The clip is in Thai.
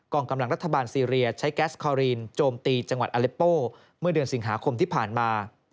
องกำลังรัฐบาลซีเรียใช้แก๊สคอรีนโจมตีจังหวัดอเล็ปโป้เมื่อเดือนสิงหาคมที่ผ่านมา